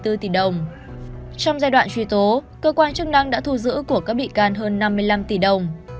trong giai đoạn truy tố cơ quan chức năng đã thu giữ của các bị can hơn năm mươi năm tỷ đồng